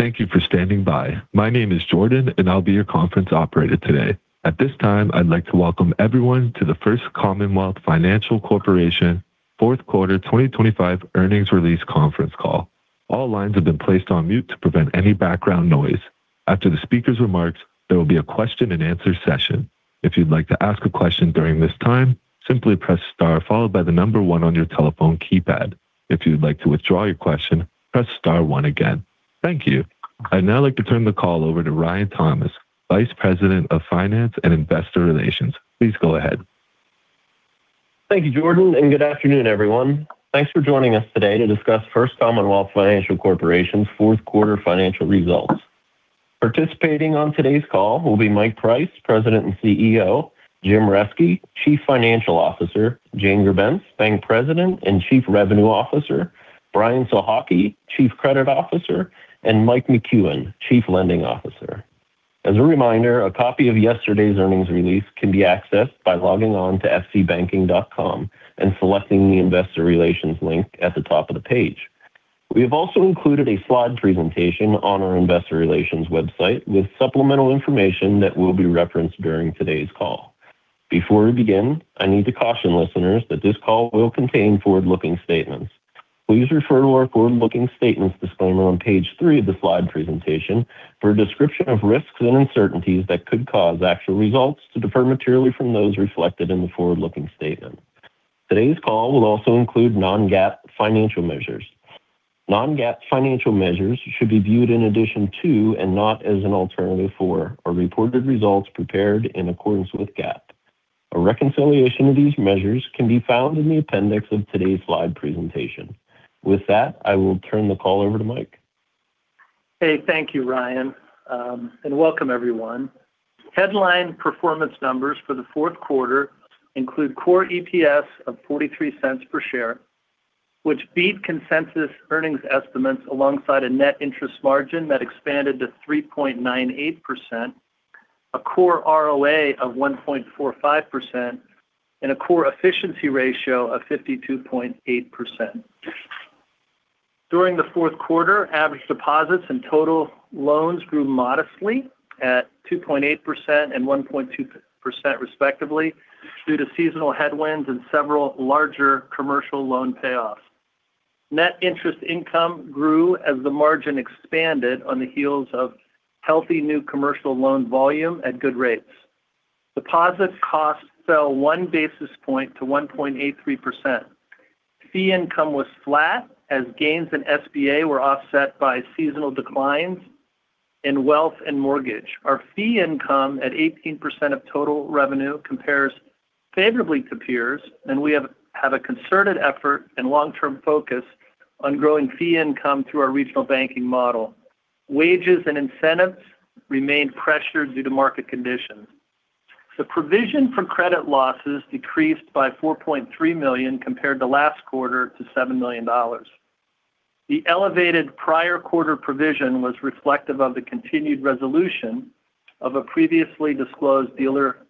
Thank you for standing by. My name is Jordan, and I'll be your conference operator today. At this time, I'd like to welcome everyone to the First Commonwealth Financial Corporation fourth quarter 2025 earnings release conference call. All lines have been placed on mute to prevent any background noise. After the speaker's remarks, there will be a question and answer session. If you'd like to ask a question during this time, simply press star followed by the number 1 on your telephone keypad. If you'd like to withdraw your question, press star 1 again. Thank you. I'd now like to turn the call over to Ryan Thomas, Vice President of Finance and Investor Relations. Please go ahead. Thank you, Jordan, and good afternoon, everyone. Thanks for joining us today to discuss First Commonwealth Financial Corporation's fourth quarter financial results. Participating on today's call will be Mike Price, President and CEO, Jim Reske, Chief Financial Officer, Jane Grebenc, Bank President and Chief Revenue Officer, Brian Sohocki, Chief Credit Officer, and Mike McCuen, Chief Lending Officer. As a reminder, a copy of yesterday's earnings release can be accessed by logging on to fcbanking.com and selecting the Investor Relations link at the top of the page. We have also included a slide presentation on our investor relations website with supplemental information that will be referenced during today's call. Before we begin, I need to caution listeners that this call will contain forward-looking statements. Please refer to our forward-looking statements disclaimer on page 3 of the slide presentation for a description of risks and uncertainties that could cause actual results to differ materially from those reflected in the forward-looking statement. Today's call will also include non-GAAP financial measures. Non-GAAP financial measures should be viewed in addition to, and not as an alternative for, our reported results prepared in accordance with GAAP. A reconciliation of these measures can be found in the appendix of today's slide presentation. With that, I will turn the call over to Mike. Hey, thank you, Ryan, and welcome everyone. Headline performance numbers for the fourth quarter include core EPS of $0.43 per share, which beat consensus earnings estimates alongside a net interest margin that expanded to 3.98%, a core ROA of 1.45%, and a core efficiency ratio of 52.8%. During the fourth quarter, average deposits and total loans grew modestly at 2.8% and 1.2% respectively, due to seasonal headwinds and several larger commercial loan payoffs. Net interest income grew as the margin expanded on the heels of healthy new commercial loan volume at good rates. Deposit costs fell 1 basis point to 1.83%. Fee income was flat as gains in SBA were offset by seasonal declines in wealth and mortgage. Our fee income at 18% of total revenue compares favorably to peers, and we have a concerted effort and long-term focus on growing fee income through our regional banking model. Wages and incentives remained pressured due to market conditions. The provision for credit losses decreased by $4.3 million compared to last quarter to $7 million. The elevated prior quarter provision was reflective of the continued resolution of a previously disclosed dealer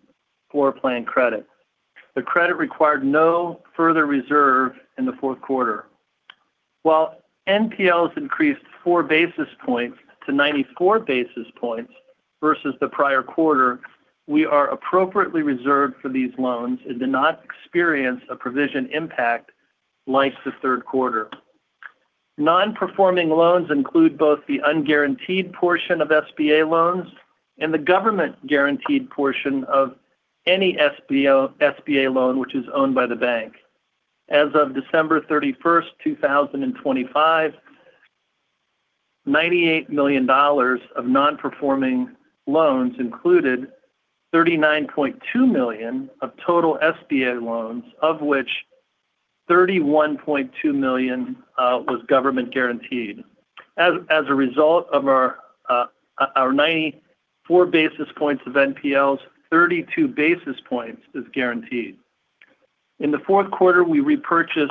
floor plan credit. The credit required no further reserve in the fourth quarter. While NPLs increased 4 basis points to 94 basis points versus the prior quarter, we are appropriately reserved for these loans and did not experience a provision impact like the third quarter. Non-performing loans include both the unguaranteed portion of SBA loans and the government-guaranteed portion of any SBA loan which is owned by the bank. As of December 31st, 2025, $98 million of non-performing loans included $39.2 million of total SBA loans, of which $31.2 million was government guaranteed. As a result of our 94 basis points of NPLs, 32 basis points is guaranteed. In the fourth quarter, we repurchased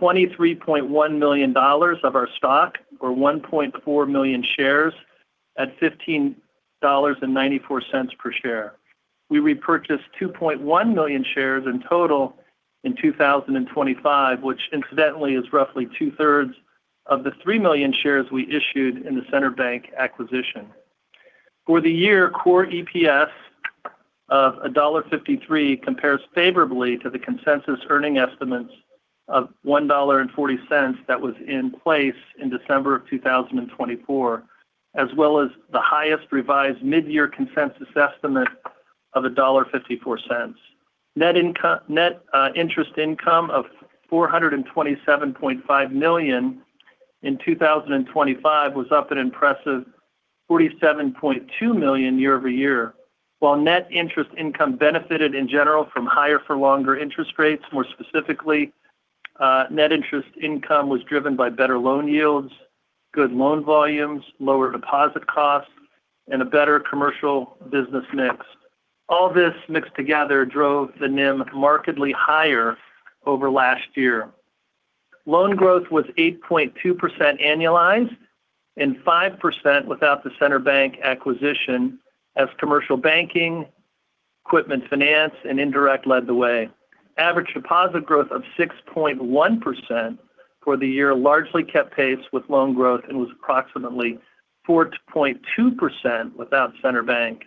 $23.1 million of our stock, or 1.4 million shares at $15.94 per share. We repurchased 2.1 million shares in total in 2025, which incidentally is roughly 2/3 of the 3 million shares we issued in the CenterBank acquisition. For the year, core EPS of $1.53 compares favorably to the consensus earnings estimates of $1.40 that was in place in December of 2024, as well as the highest revised mid-year consensus estimate of $1.54. Net interest income of $427.5 million in 2025 was up an impressive $47.2 million year-over-year. While net interest income benefited in general from higher for longer interest rates, more specifically, net interest income was driven by better loan yields, good loan volumes, lower deposit costs, and a better commercial business mix. All this mixed together drove the NIM markedly higher over last year. Loan growth was 8.2% annualized and 5% without the CenterBank acquisition as commercial banking, equipment finance and indirect led the way. Average deposit growth of 6.1% for the year largely kept pace with loan growth and was approximately 4.2% without CenterBank.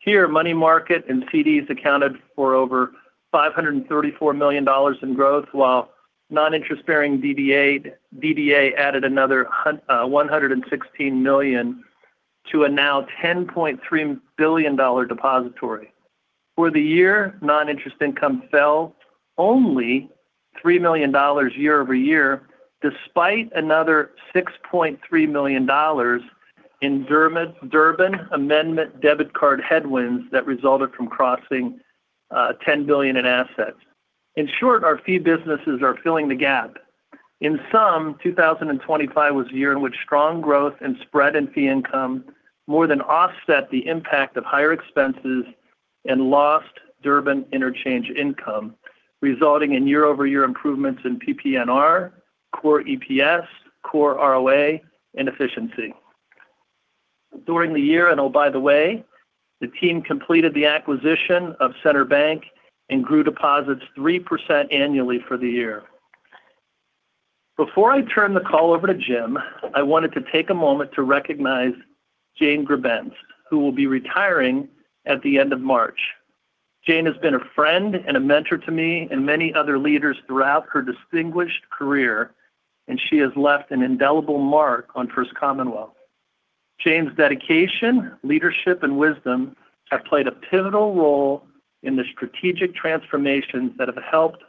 Here, money market and CDs accounted for over $534 million in growth, while non-interest-bearing DDA added another $116 million to a now $10.3 billion depository. For the year, non-interest income fell only $3 million year over year, despite another $6.3 million in Durbin amendment debit card headwinds that resulted from crossing $10 billion in assets. In short, our fee businesses are filling the gap. In sum, 2025 was a year in which strong growth and spread in fee income more than offset the impact of higher expenses and lost Durbin interchange income, resulting in year-over-year improvements in PPNR, core EPS, core ROA, and efficiency. During the year, and oh, by the way, the team completed the acquisition of CenterBank and grew deposits 3% annually for the year. Before I turn the call over to Jim, I wanted to take a moment to recognize Jane Grebenc, who will be retiring at the end of March. Jane has been a friend and a mentor to me and many other leaders throughout her distinguished career, and she has left an indelible mark on First Commonwealth. Jane's dedication, leadership and wisdom have played a pivotal role in the strategic transformations that have helped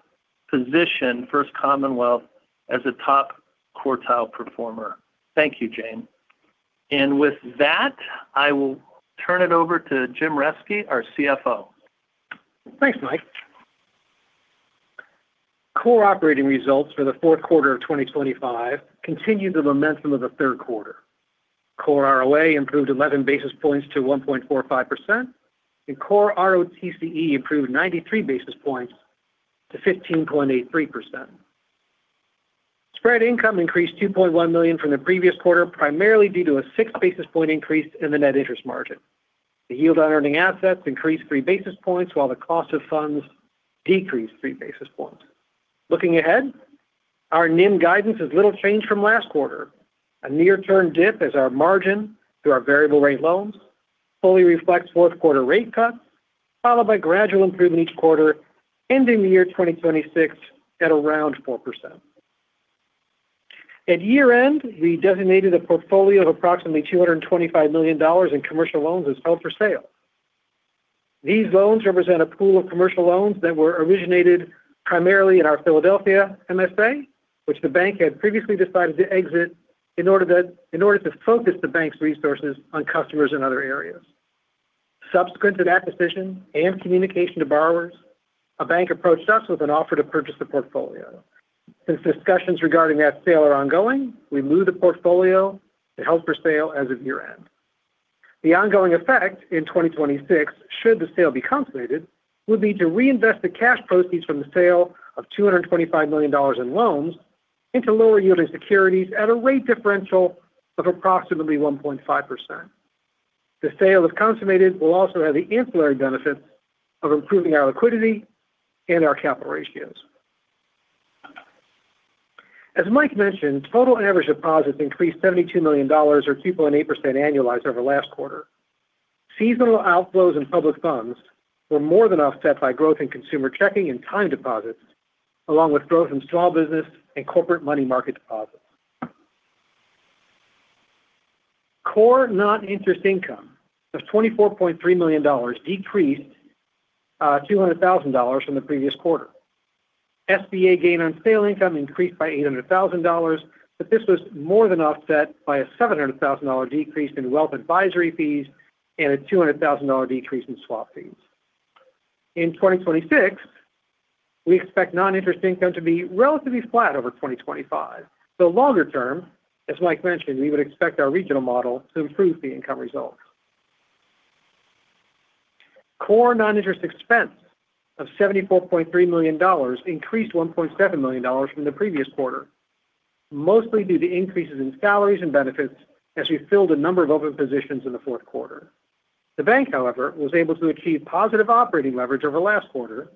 position First Commonwealth as a top quartile performer. Thank you, Jane. And with that, I will turn it over to Jim Reske, our CFO. Thanks, Mike. Core operating results for the fourth quarter of 2025 continued the momentum of the third quarter. Core ROA improved 11 basis points to 1.45%, and core ROTCE improved 93 basis points to 15.83%. Spread income increased $2.1 million from the previous quarter, primarily due to a 6 basis point increase in the net interest margin. The yield on earning assets increased 3 basis points, while the cost of funds decreased 3 basis points. Looking ahead, our NIM guidance is little changed from last quarter. A near-term dip as our margin through our variable rate loans fully reflects fourth quarter rate cuts, followed by gradual improvement each quarter, ending the year 2026 at around 4%. At year-end, we designated a portfolio of approximately $225 million in commercial loans as held for sale. These loans represent a pool of commercial loans that were originated primarily in our Philadelphia MSA, which the bank had previously decided to exit in order to focus the bank's resources on customers in other areas. Subsequent to that decision and communication to borrowers, a bank approached us with an offer to purchase the portfolio. Since discussions regarding that sale are ongoing, we moved the portfolio to held for sale as of year-end. The ongoing effect in 2026, should the sale be consummated, would be to reinvest the cash proceeds from the sale of $225 million in loans into lower yielding securities at a rate differential of approximately 1.5%. The sale, if consummated, will also have the ancillary benefit of improving our liquidity and our capital ratios. As Mike mentioned, total average deposits increased $72 million or 2.8% annualized over last quarter. Seasonal outflows in public funds were more than offset by growth in consumer checking and time deposits, along with growth in small business and corporate money market deposits. Core non-interest income of $24.3 million decreased $200,000 from the previous quarter. SBA gain on sale income increased by $800,000, but this was more than offset by a $700,000 decrease in wealth advisory fees and a $200,000 decrease in swap fees. In 2026, we expect non-interest income to be relatively flat over 2025. So longer term, as Mike mentioned, we would expect our regional model to improve the income results. Core non-interest expense of $74.3 million increased $1.7 million from the previous quarter, mostly due to increases in salaries and benefits as we filled a number of open positions in the fourth quarter. The bank, however, was able to achieve positive operating leverage over last quarter.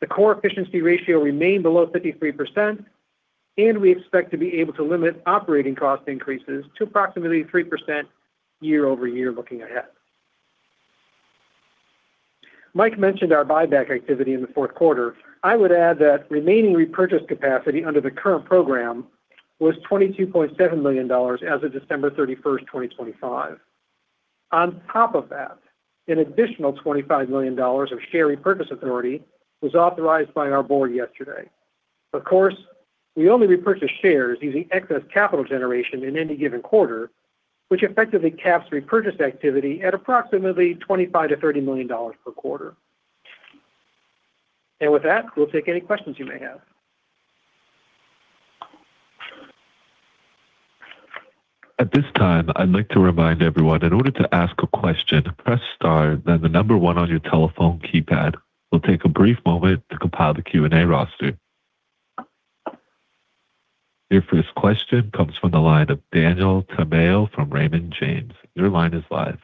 The core efficiency ratio remained below 53%, and we expect to be able to limit operating cost increases to approximately 3% year-over-year looking ahead. Mike mentioned our buyback activity in the fourth quarter. I would add that remaining repurchase capacity under the current program was $22.7 million as of December 31, 2025. On top of that, an additional $25 million of share repurchase authority was authorized by our board yesterday. Of course, we only repurchase shares using excess capital generation in any given quarter, which effectively caps repurchase activity at approximately $25 million-$30 million per quarter. And with that, we'll take any questions you may have. At this time, I'd like to remind everyone, in order to ask a question, press star, then the number one on your telephone keypad. We'll take a brief moment to compile the Q&A roster. Your first question comes from the line of Daniel Tamayo from Raymond James. Your line is live.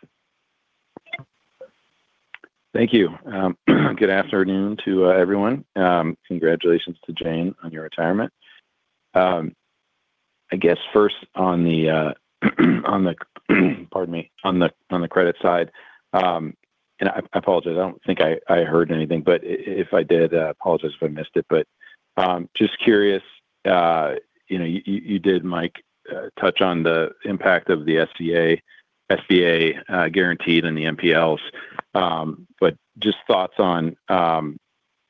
Thank you. Good afternoon to everyone. Congratulations to Jane on your retirement. I guess first on the, pardon me. On the credit side, and I apologize, I don't think I heard anything, but if I did, I apologize if I missed it. But just curious, you know, you did, Mike, touch on the impact of the SBA guaranteed and the NPLs. But just thoughts on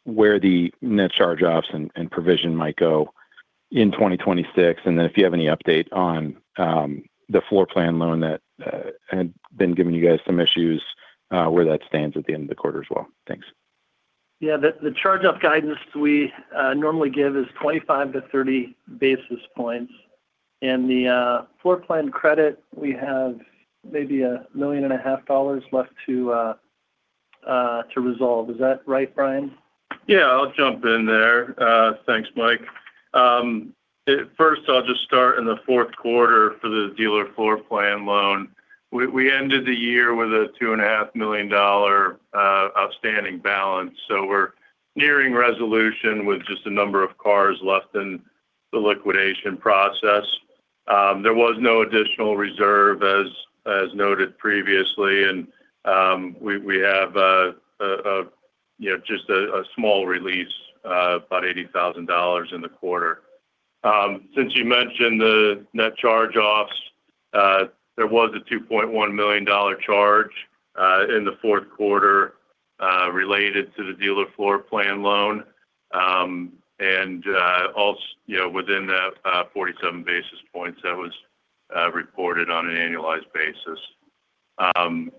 where the net charge-offs and provision might go in 2026, and then if you have any update on the floor plan loan that had been giving you guys some issues, where that stands at the end of the quarter as well. Thanks. Yeah, the charge-off guidance we normally give is 25-30 basis points, and the floor plan credit, we have maybe $1.5 million left to resolve. Is that right, Brian? Yeah, I'll jump in there. Thanks, Mike. First, I'll just start in the fourth quarter for the dealer floor plan loan. We ended the year with a $2.5 million outstanding balance, so we're nearing resolution with just a number of cars left in the liquidation process. There was no additional reserve, as noted previously, and we have a, you know, just a small release, about $80,000 in the quarter. Since you mentioned the net charge-offs, there was a $2.1 million charge in the fourth quarter, related to the dealer floor plan loan. And, you know, within that, 47 basis points that was reported on an annualized basis. And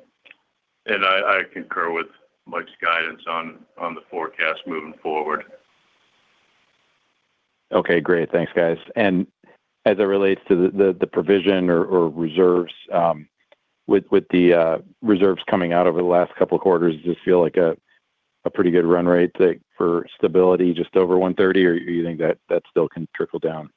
I concur with Mike's guidance on the forecast moving forward. Okay, great. Thanks, guys. As it relates to the provision or reserves, with the reserves coming out over the last couple of quarters, does this feel like a pretty good run rate, like, for stability, just over 1.30, or you think that that still can trickle down?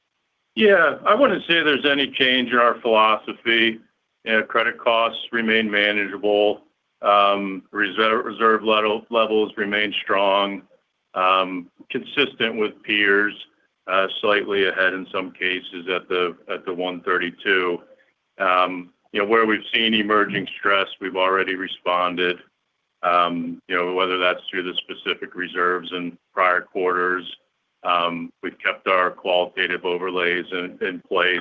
Yeah. I wouldn't say there's any change in our philosophy. You know, credit costs remain manageable. Reserve levels remain strong, consistent with peers, slightly ahead in some cases at the 1.32. You know, where we've seen emerging stress, we've already responded. You know, whether that's through the specific reserves in prior quarters, we've kept our qualitative overlays in place.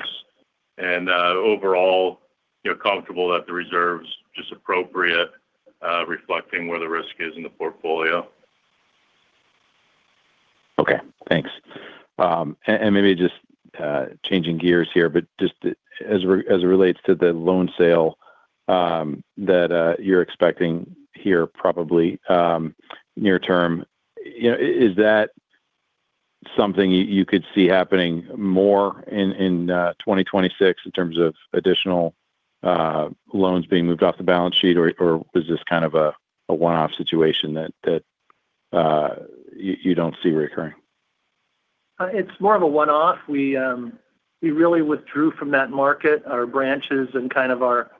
And overall, you know, comfortable that the reserve's just appropriate, reflecting where the risk is in the portfolio. Okay, thanks. And maybe just changing gears here, but just as it relates to the loan sale that you're expecting here, probably near term, you know, is that something you could see happening more in 2026 in terms of additional loans being moved off the balance sheet, or is this kind of a one-off situation that you don't see recurring? It's more of a one-off. We really withdrew from that market, our branches and kind of our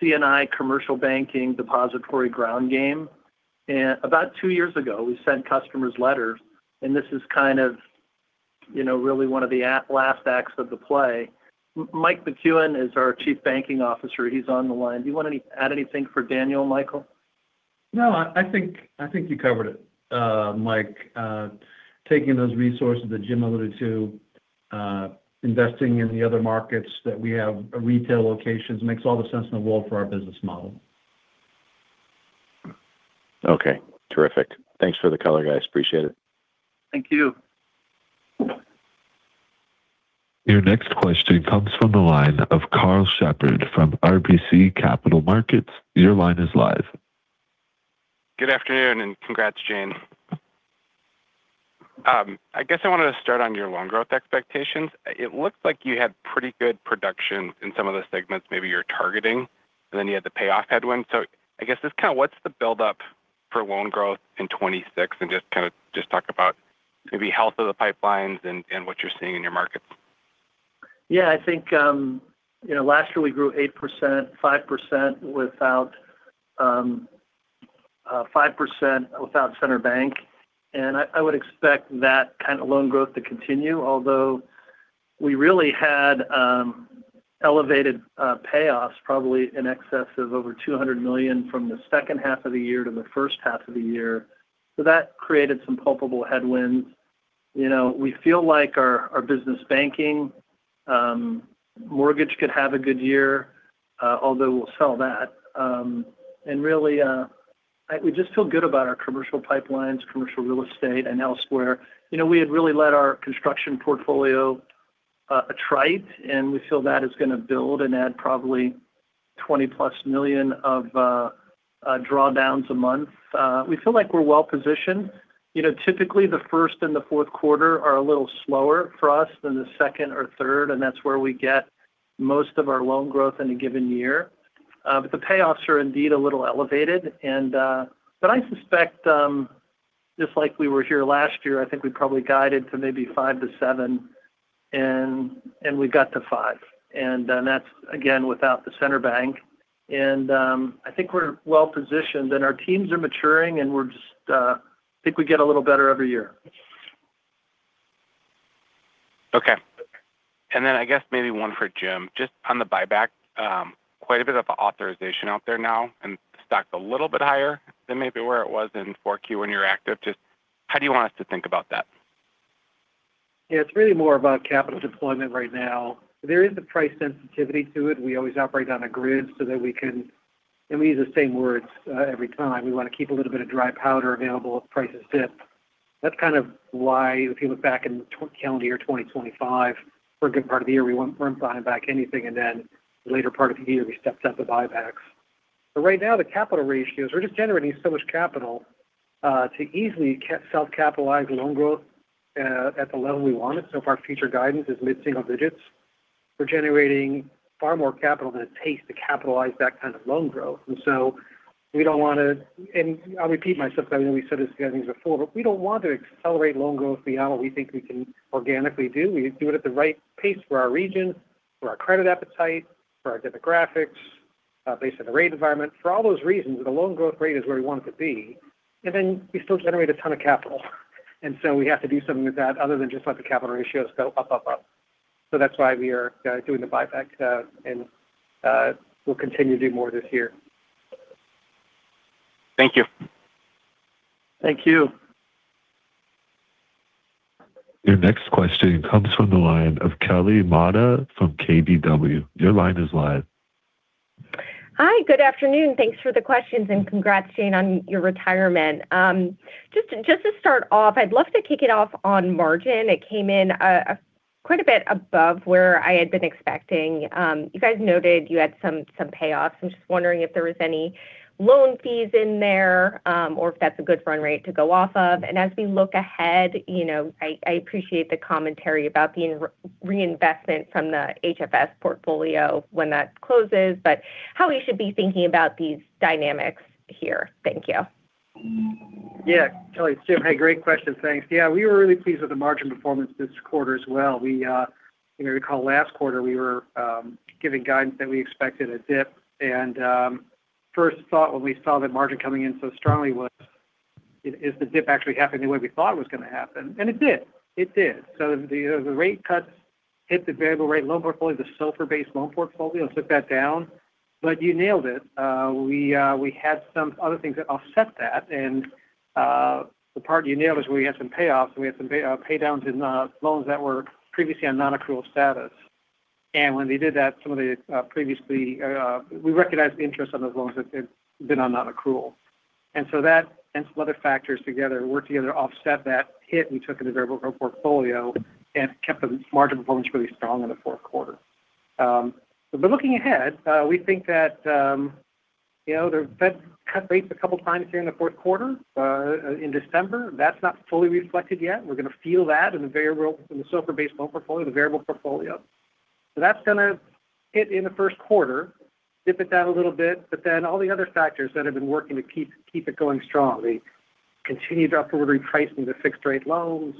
C&I commercial banking depository ground game. And about two years ago, we sent customers letters, and this is kind of, you know, really one of the last acts of the play. Mike McCuen is our Chief Banking Officer. He's on the line. Do you want to add anything for Daniel, Michael? No, I think you covered it, Mike. Taking those resources that Jim alluded to, investing in the other markets that we have, our retail locations, makes all the sense in the world for our business model. Okay, terrific. Thanks for the color, guys. Appreciate it. Thank you. Your next question comes from the line of Karl Shepard from RBC Capital Markets. Your line is live. Good afternoon, and congrats, Jane. I guess I wanted to start on your loan growth expectations. It looks like you had pretty good production in some of the segments maybe you're targeting, and then you had the payoff headwinds. I guess just kind of what's the buildup for loan growth in 2026 and just kind of talk about maybe health of the pipelines and what you're seeing in your markets? Yeah, I think, you know, last year we grew 8%, 5% without, 5% without CenterBank, and I would expect that kind of loan growth to continue, although we really had, elevated, payoffs, probably in excess of over $200 million from the second half of the year to the first half of the year. So that created some palpable headwinds. You know, we feel like our, our business banking, mortgage could have a good year, although we'll sell that. And really, we just feel good about our commercial pipelines, commercial real estate and elsewhere. You know, we had really let our construction portfolio, attrite, and we feel that is going to build and add probably $20+ million of, drawdowns a month. We feel like we're well positioned. You know, typically, the first and the fourth quarter are a little slower for us than the second or third, and that's where we get most of our loan growth in a given year. But the payoffs are indeed a little elevated, and but I suspect, just like we were here last year, I think we probably guided to maybe 5%-7%, and we got to 5%. And then that's, again, without the CenterBank. And I think we're well positioned, and our teams are maturing, and we're just, I think we get a little better every year. Okay. And then, I guess maybe one for Jim, just on the buyback, quite a bit of authorization out there now, and the stock's a little bit higher than maybe where it was in 4Q when you're active. Just how do you want us to think about that? Yeah, it's really more about capital deployment right now. There is a price sensitivity to it. We always operate on a grid so that we can and we use the same words every time. We want to keep a little bit of dry powder available if prices dip. That's kind of why, if you look back in calendar year 2025, for a good part of the year, we weren't, we weren't buying back anything, and then the later part of the year, we stepped up the buybacks. But right now, the capital ratios, we're just generating so much capital to easily self-capitalize loan growth at the level we want it. So if our future guidance is mid-single digits, we're generating far more capital than it takes to capitalize that kind of loan growth. We don't want to, and I'll repeat myself, I know we've said this, guys, before, but we don't want to accelerate loan growth beyond what we think we can organically do. We do it at the right pace for our region, for our credit appetite, for our demographics, based on the rate environment. For all those reasons, the loan growth rate is where we want it to be, and then we still generate a ton of capital. We have to do something with that other than just let the capital ratios go up, up, up. That's why we are doing the buyback, and we'll continue to do more this year. Thank you. Thank you. Your next question comes from the line of Kelly Motta from KBW. Your line is live. Hi, good afternoon. Thanks for the questions, and congrats, Jane, on your retirement. Just, just to start off, I'd love to kick it off on margin. It came in quite a bit above where I had been expecting. You guys noted you had some, some payoffs. I'm just wondering if there was any loan fees in there, or if that's a good run rate to go off of. And as we look ahead, you know, I appreciate the commentary about the reinvestment from the HFS portfolio when that closes, but how we should be thinking about these dynamics here. Thank you. Yeah. Kelly, it's Jim. Hey, great question. Thanks. Yeah, we were really pleased with the margin performance this quarter as well. We, you may recall last quarter, we were giving guidance that we expected a dip. And first thought when we saw that margin coming in so strongly was, is the dip actually happening the way we thought it was going to happen? And it did. It did. So the rate cuts hit the variable rate loan portfolio, the SOFR-based loan portfolio, and took that down. But you nailed it. We had some other things that offset that. And the part you nailed is we had some payoffs, and we had some paydowns in loans that were previously on non-accrual status. When they did that, some of the previously we recognized the interest on those loans that had been on non-accrual. So that and some other factors together worked together to offset that hit we took in the variable growth portfolio and kept the margin performance really strong in the fourth quarter. But looking ahead, we think that you know the Fed cut rates a couple of times here in the fourth quarter in December. That's not fully reflected yet. We're going to feel that in the SOFR-based loan portfolio, the variable portfolio. So that's going to hit in the first quarter, dip it down a little bit, but then all the other factors that have been working to keep it going strong, the continued upward repricing of the fixed-rate loans,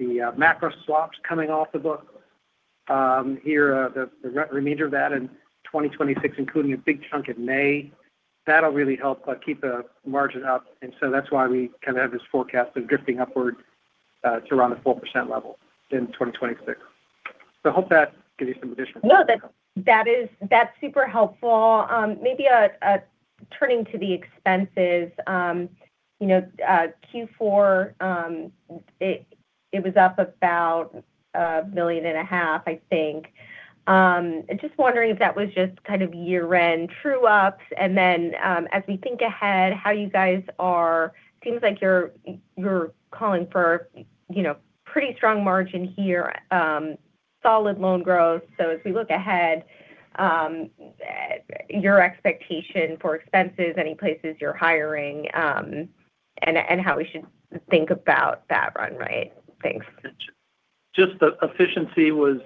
the macro swaps coming off the book. Here, the remainder of that in 2026, including a big chunk in May, that'll really help keep the margin up. And so that's why we kind of have this forecast of drifting upward to around the 4% level in 2026. So I hope that gives you some additional. No, that, that is, that's super helpful. Maybe, turning to the expenses, you know, Q4, it, it was up about $1.5 million, I think. Just wondering if that was just kind of year-end true-ups, and then, as we think ahead, how you guys are, seems like you're, you're calling for, you know, pretty strong margin here, solid loan growth. So as we look ahead, your expectation for expenses, any places you're hiring, and, and how we should think about that run rate? Thanks. Just the efficiency was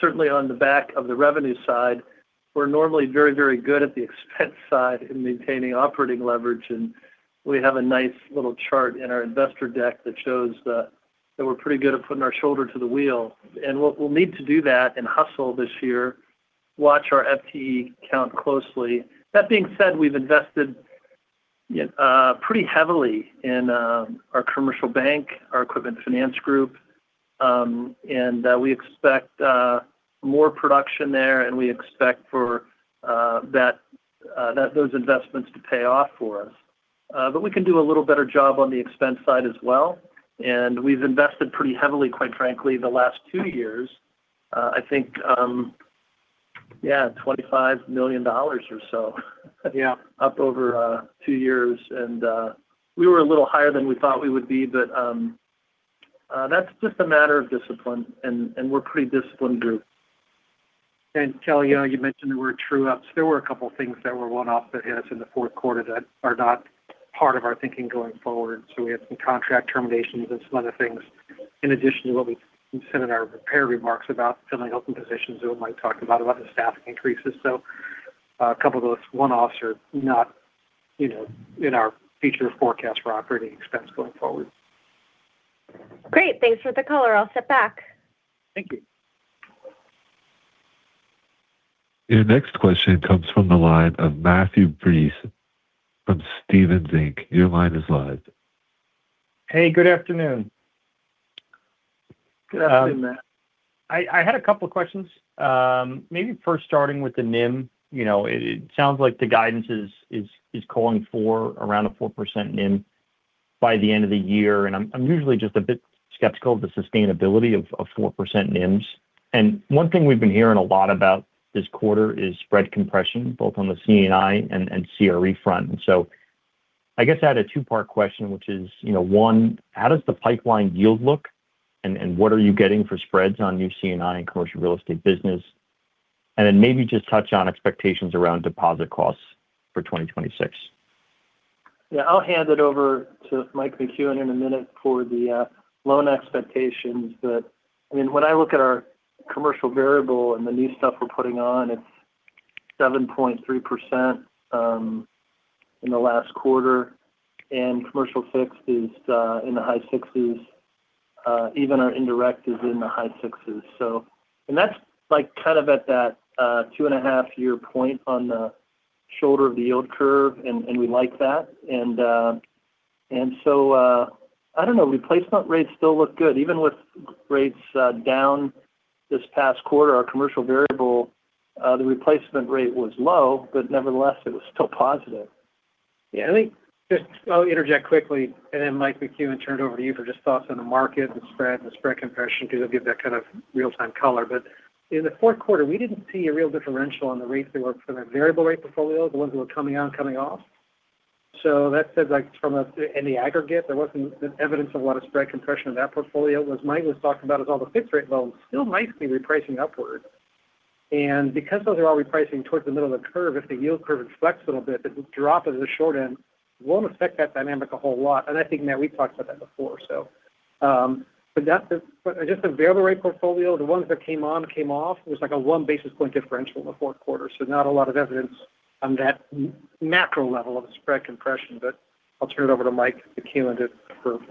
certainly on the back of the revenue side. We're normally very, very good at the expense side in maintaining operating leverage, and we have a nice little chart in our investor deck that shows that we're pretty good at putting our shoulder to the wheel. We'll need to do that and hustle this year, watch our FTE count closely. That being said, we've invested pretty heavily in our commercial bank, our equipment finance group, and we expect more production there, and we expect for those investments to pay off for us. But we can do a little better job on the expense side as well, and we've invested pretty heavily, quite frankly, the last two years. I think, yeah, $25 million or so, yeah, up over 2 years, and we were a little higher than we thought we would be, but that's just a matter of discipline, and we're a pretty disciplined group. And Kelly, you know, you mentioned there were true ups. There were a couple of things that were one-off that hit us in the fourth quarter that are not part of our thinking going forward. So we have some contract terminations and some other things in addition to what we said in our prepared remarks about filling open positions, what Mike talked about, about the staffing increases. So a couple of those, one officer not, you know, in our future forecast for operating expense going forward. Great. Thanks for the color. I'll step back. Thank you. Your next question comes from the line of Matthew Breese from Stephens Inc. Your line is live. Hey, good afternoon. Good afternoon, Matt. I had a couple of questions. Maybe first starting with the NIM, you know, it sounds like the guidance is calling for around a 4% NIM by the end of the year, and I'm usually just a bit skeptical of the sustainability of 4% NIMs. And one thing we've been hearing a lot about this quarter is spread compression, both on the C&I and CRE front. So I guess I had a two-part question, which is, you know, one, how does the pipeline yield look? And what are you getting for spreads on new C&I and commercial real estate business? And then maybe just touch on expectations around deposit costs for 2026. Yeah, I'll hand it over to Mike McCuen in a minute for the loan expectations. But, I mean, when I look at our commercial variable and the new stuff we're putting on, it's 7.3% in the last quarter, and commercial fixed is in the high 60s. Even our indirect is in the high 60s. So and that's like kind of at that 2.5-year point on the shoulder of the yield curve, and we like that. And so, I don't know, replacement rates still look good. Even with rates down this past quarter, our commercial variable, the replacement rate was low, but nevertheless, it was still positive. Yeah, I think just I'll interject quickly, and then Mike McCuen, turn it over to you for just thoughts on the market, the spread, and the spread compression, to give that kind of real-time color. But in the fourth quarter, we didn't see a real differential on the rates we worked from a variable rate portfolio, the ones that were coming on, coming off. So that said, like from a, in the aggregate, there wasn't evidence of a lot of spread compression in that portfolio. What Mike was talking about is all the fixed rate loans still nicely repricing upward. And because those are all repricing towards the middle of the curve, if the yield curve flexes a little bit, the drop at the short end won't affect that dynamic a whole lot. And I think, Matt, we've talked about that before, so. But that's the, just the variable rate portfolio, the ones that came on, came off, it was like a one basis point differential in the fourth quarter. So not a lot of evidence on that natural level of spread compression, but I'll turn it over to Mike McCuen to approve.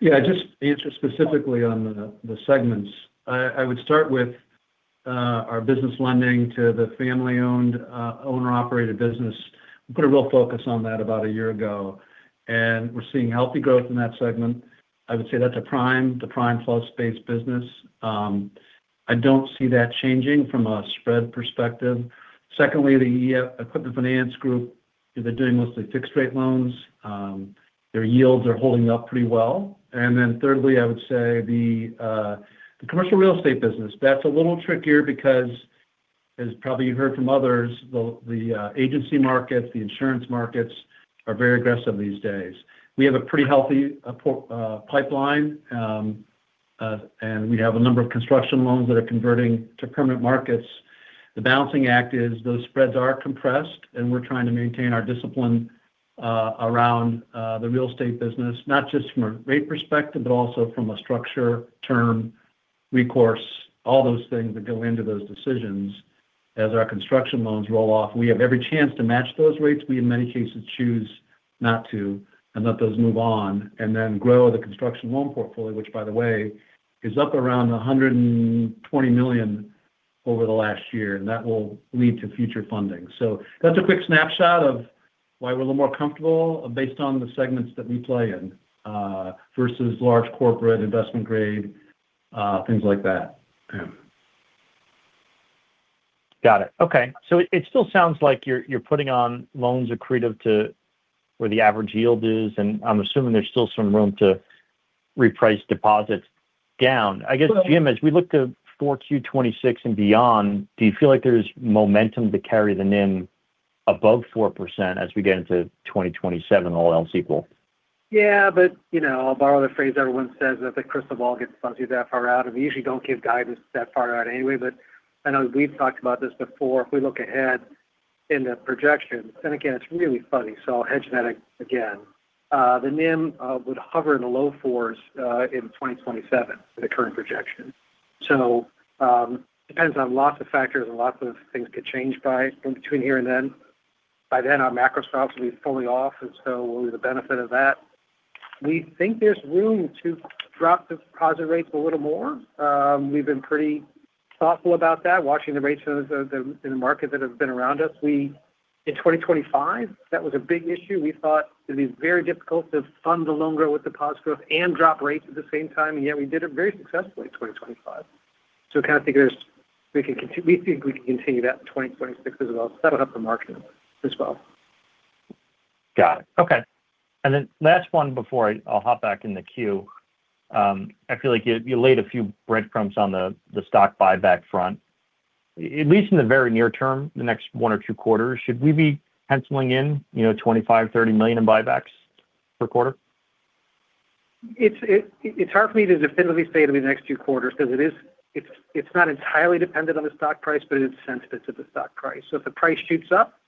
Yeah, just to answer specifically on the segments. I would start with our business lending to the family-owned owner-operated business. We put a real focus on that about a year ago, and we're seeing healthy growth in that segment. I would say that's a prime flow space business. I don't see that changing from a spread perspective. Secondly, equipment finance group, they're doing mostly fixed-rate loans. Their yields are holding up pretty well. And then thirdly, I would say the commercial real estate business, that's a little trickier because as probably you heard from others, agency markets, the insurance markets are very aggressive these days. We have a pretty healthy pipeline, and we have a number of construction loans that are converting to permanent markets. The balancing act is those spreads are compressed, and we're trying to maintain our discipline around the real estate business, not just from a rate perspective, but also from a structure, term, recourse, all those things that go into those decisions. As our construction loans roll off, we have every chance to match those rates. We, in many cases, choose not to and let those move on and then grow the construction loan portfolio, which, by the way, is up around $120 million over the last year, and that will lead to future funding. So that's a quick snapshot of why we're a little more comfortable based on the segments that we play in versus large corporate investment grade things like that. Yeah. Got it. Okay. So it still sounds like you're, you're putting on loans accretive to where the average yield is, and I'm assuming there's still some room to reprice deposits down. I guess, Jim, as we look to 4Q 2026 and beyond, do you feel like there's momentum to carry the NIM above 4% as we get into 2027 and all else equal? Yeah, but you know, I'll borrow the phrase, everyone says that the crystal ball gets fuzzy that far out, and we usually don't give guidance that far out anyway. But I know we've talked about this before. If we look ahead in the projection, and again, it's really funny, so I'll hedge that again. The NIM would hover in the low 4s in 2027 for the current projection. So, depends on lots of factors, and lots of things could change between here and then. By then, our macro stops will be fully off, and so we'll reap the benefit of that. We think there's room to drop the deposit rates a little more. We've been pretty thoughtful about that, watching the rates in the market that have been around us. In 2025, that was a big issue. We thought it would be very difficult to fund the loan growth with deposit growth and drop rates at the same time, and yet we did it very successfully in 2025. So we kind of figure, we think we can continue that in 2026 as well. Set up the market as well. Got it. Okay. And then last one before I’ll hop back in the queue. I feel like you laid a few breadcrumbs on the stock buyback front. At least in the very near term, the next one or two quarters, should we be penciling in, you know, $25 million-$30 million in buybacks per quarter? It's hard for me to definitively say it'll be the next two quarters, because it is, it's not entirely dependent on the stock price, but it is sensitive to the stock price. So if the price shoots up,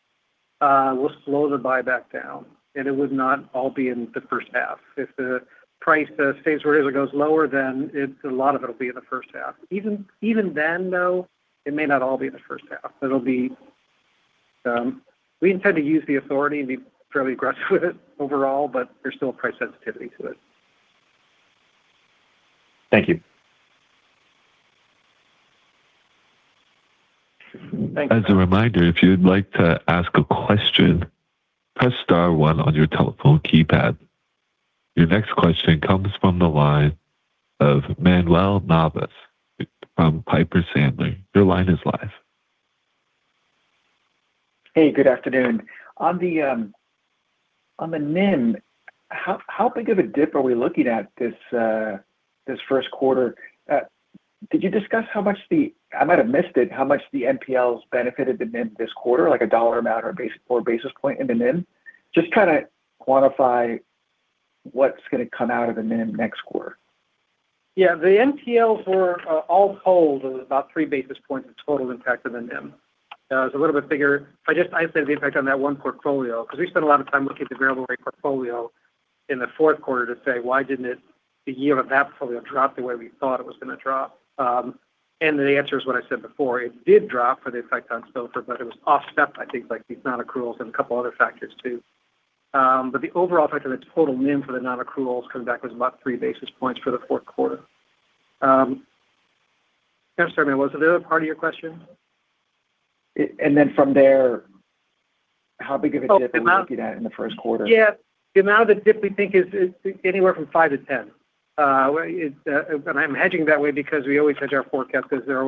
we'll slow the buyback down, and it would not all be in the first half. If the price stays where it is, or goes lower, then it, a lot of it will be in the first half. Even then, though, it may not all be in the first half. It'll be, we intend to use the authority and be fairly aggressive with it overall, but there's still a price sensitivity to it. Thank you. As a reminder, if you'd like to ask a question, press star one on your telephone keypad. Your next question comes from the line of Manuel Navas from Piper Sandler. Your line is live. Hey, good afternoon. On the NIM, how big of a dip are we looking at this first quarter? Did you discuss, I might have missed it, how much the NPLs benefited the NIM this quarter, like a dollar amount or a basis, or a basis point in the NIM? Just kind of quantify what's going to come out of the NIM next quarter? Yeah, the NPLs were, all told, about 3 basis points of total impact on the NIM. It's a little bit bigger. I just isolated the impact on that one portfolio, because we spent a lot of time looking at the variable rate portfolio in the fourth quarter to say, "Why didn't it, the yield of that portfolio drop the way we thought it was going to drop?" And the answer is what I said before: it did drop for the effect on spread, but it was offset, I think, by these nonaccruals and a couple other factors too. But the overall effect of the total NIM for the nonaccruals coming back was about three basis points for the fourth quarter. I'm sorry, Manuel, was there another part of your question? And then from there, how big of a dip are we looking at in the first quarter? Yeah. The amount of the dip we think is anywhere from 5-10. And I'm hedging that way because we always hedge our forecast because they're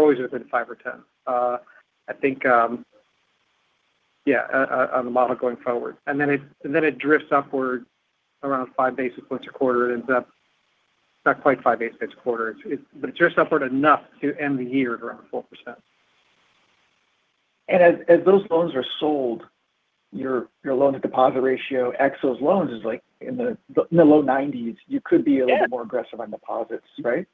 always within 5 or 10. I think, yeah, on the model going forward, and then it drifts upward around 5 basis points a quarter. It ends up not quite 5 basis points a quarter. But it drifts upward enough to end the year around 4%. As those loans are sold, your loan-to-deposit ratio, ex those loans, is like in the low 90s. You could be a little bit more aggressive on deposits, right?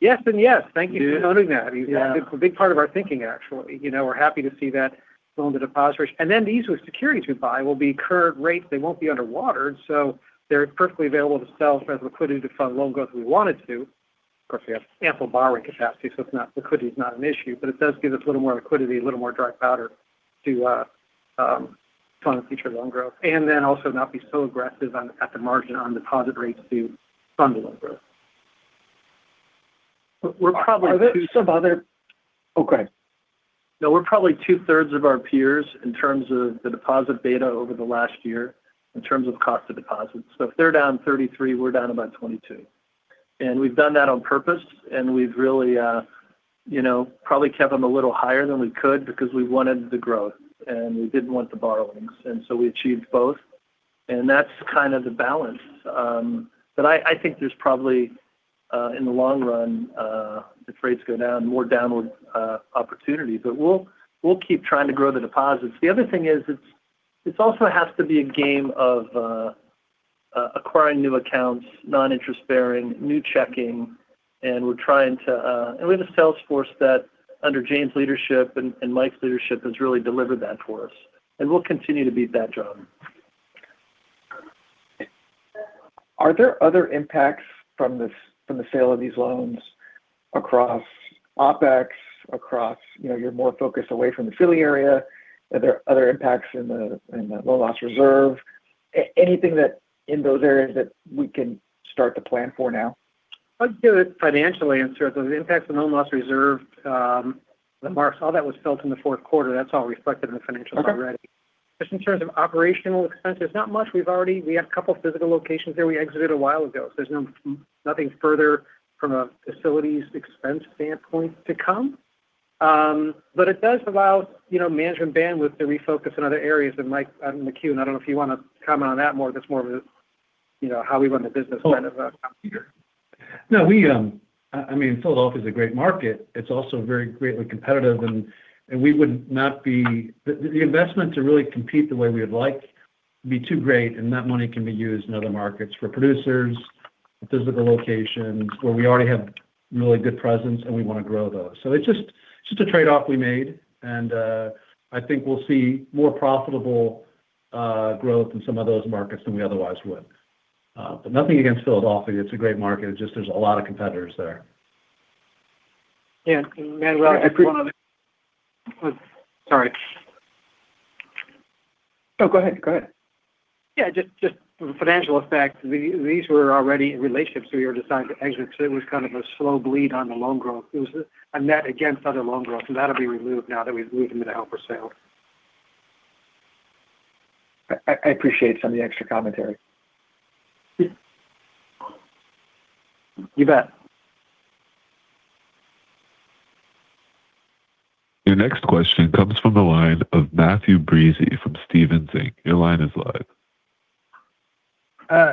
Yes and yes. Thank you for noting that. It's a big part of our thinking, actually. You know, we're happy to see that loan-to-deposit ratio. And then these, with securities we buy, will be current rate. They won't be underwater, so they're perfectly available to sell for the liquidity to fund loan growth if we wanted to. Of course, we have ample borrowing capacity, so it's not, liquidity is not an issue, but it does give us a little more liquidity, a little more dry powder to fund future loan growth, and then also not be so aggressive on, at the margin on deposit rates to fund the loan growth. We're probably- Okay. No, we're probably two-thirds of our peers in terms of the deposit beta over the last year, in terms of cost of deposits. So if they're down 33, we're down about 22. And we've done that on purpose, and we've really, you know, probably kept them a little higher than we could because we wanted the growth, and we didn't want the borrowings, and so we achieved both. And that's kind of the balance. But I think there's probably, in the long run, if rates go down more downward opportunities, but we'll keep trying to grow the deposits. The other thing is, it also has to be a game of acquiring new accounts, non-interest bearing, new checking, and we're trying to, we have a sales force that, under James' leadership and Mike's leadership, has really delivered that for us, and we'll continue to beat that drum. Are there other impacts from the sale of these loans across OpEx, you know, you're more focused away from the Philly area? Are there other impacts in the loan loss reserve? Anything that, in those areas, that we can start to plan for now? I'll give a financially answer. The impacts on the loan loss reserve, the marks, all that was felt in the fourth quarter. That's all reflected in the financials already. Just in terms of operational expenses, not much. We've already. We had a couple physical locations there we exited a while ago. So there's no, nothing further from a facilities expense standpoint to come. But it does allow, you know, management bandwidth to refocus in other areas. And Mike McCuen, I don't know if you want to comment on that more. That's more of a, you know, how we run the business, kind of a computer. No, we, I mean, Philadelphia is a great market. It's also very greatly competitive, and we would not be. The investment to really compete the way we would like would be too great, and that money can be used in other markets for producers, physical locations, where we already have really good presence, and we want to grow those. So it's just a trade-off we made, and I think we'll see more profitable growth in some of those markets than we otherwise would. But nothing against Philadelphia. It's a great market. It's just there's a lot of competitors there. Yeah. And Manuel- I apprec- Sorry. No, go ahead. Go ahead. Yeah, just from a financial effect, these were already relationships we were deciding to exit, so it was kind of a slow bleed on the loan growth. It was a net against other loan growth, so that'll be removed now that we've moved them to held for sale. I appreciate some of the extra commentary. You bet. Your next question comes from the line of Matthew Breese from Stephens Inc. Your line is live.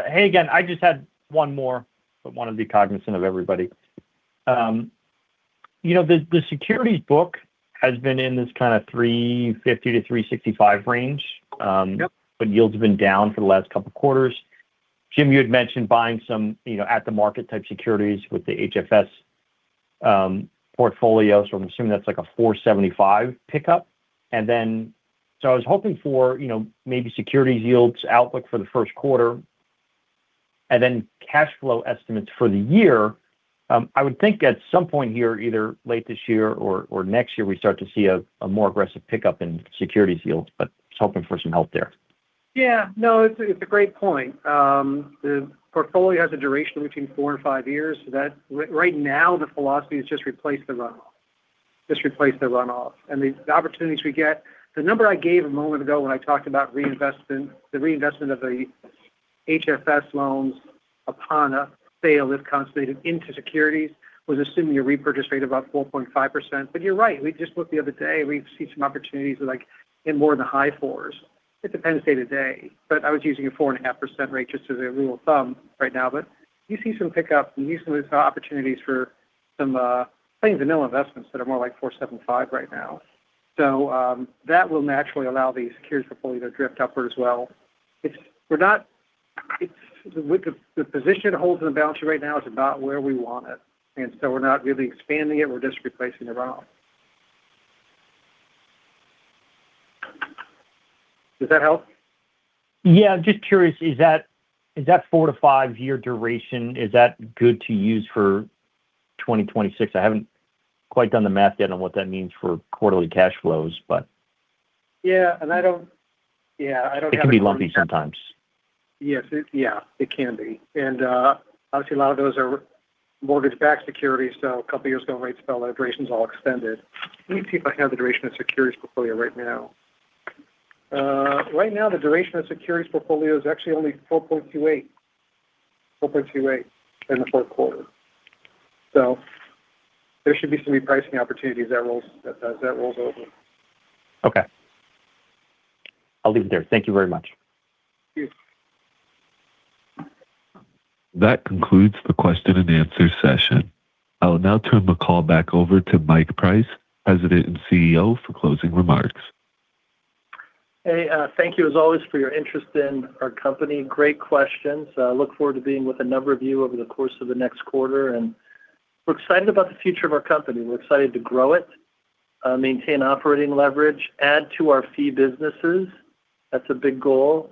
Hey again. I just had one more, but want to be cognizant of everybody. You know, the securities book has been in this kind of 350-365 range. But yields have been down for the last couple of quarters. Jim, you had mentioned buying some, you know, at the market-type securities with the HFS portfolio. So I'm assuming that's like a 4.75% pickup. And then, so I was hoping for, you know, maybe securities yields outlook for the first quarter and then cash flow estimates for the year. I would think at some point here, either late this year or next year, we start to see a more aggressive pickup in securities yields, but just hoping for some help there. Yeah. No, it's a great point. The portfolio has a duration between 4 and 5 years. So that, right now, the philosophy is just replace the runoff. Just replace the runoff and the opportunities we get. The number I gave a moment ago when I talked about reinvestment, the reinvestment of the HFS loans upon a sale, if consolidated into securities, was assuming a repurchase rate about 4.5%. But you're right, we just looked the other day, we see some opportunities, like, in more in the high 4s. It depends day to day, but I was using a 4.5% rate just as a rule of thumb right now. But you see some pickup, and you see some opportunities for some plain vanilla investments that are more like 4.75% right now. So, that will naturally allow the securities portfolio to drift upward as well. It's the position it holds in the balance sheet right now is about where we want it, and so we're not really expanding it, we're just replacing the runoff. Does that help? Yeah. Just curious, is that, is that 4- to 5-year duration, is that good to use for 2026? I haven't quite done the math yet on what that means for quarterly cash flows, but Yeah. And I don't... It can be lumpy sometimes. Yes, yeah, it can be. Obviously, a lot of those are mortgage-backed securities, so a couple of years ago, rates fell, our duration's all extended. Let me see if I have the duration of securities portfolio right now. Right now, the duration of securities portfolio is actually only 4.28%, 4.28% in the fourth quarter. So there should be some repricing opportunities as that rolls, as that rolls over. Okay. I'll leave it there. Thank you very much. Thank you. That concludes the question and answer session. I will now turn the call back over to Mike Price, President and CEO, for closing remarks. Hey, thank you, as always, for your interest in our company. Great questions. I look forward to being with a number of you over the course of the next quarter, and we're excited about the future of our company. We're excited to grow it, maintain operating leverage, add to our fee businesses. That's a big goal.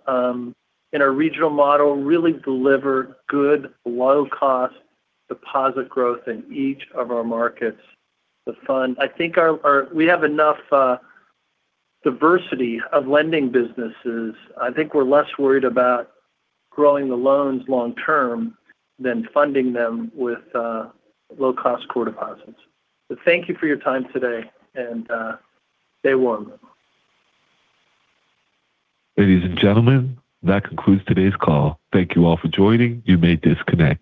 In our regional model, really deliver good, low-cost deposit growth in each of our markets. I think our, we have enough diversity of lending businesses. I think we're less worried about growing the loans long term than funding them with low-cost core deposits. So thank you for your time today, and stay warm. Ladies and gentlemen, that concludes today's call. Thank you all for joining. You may disconnect.